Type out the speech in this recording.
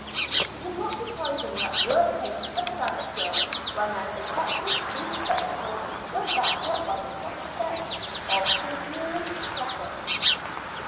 It is not surprising that work came to a standstill when an attractive street spectacle was backed by the prospect ot pecimiary profit.